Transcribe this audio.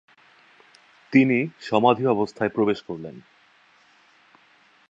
তিনি সমাধি অবস্থায় প্রবেশ করলেন।